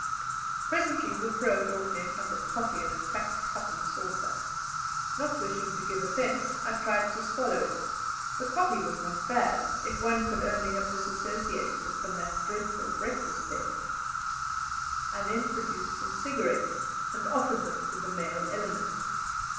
Presently the vrow brought me a cup of coffee in a cracked cup and saucer. Not wishing to give offence, I tried to swallow it; the coffee was not bad, if one could only have dissociated it from that dreadful breakfast table. I then produced some cigarettes, and offered them to the male element.